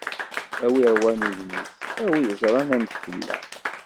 A w'iṛwan udem-is, a w'iẓran amek tella!